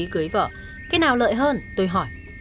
lì cưới vợ cái nào lợi hơn tôi hỏi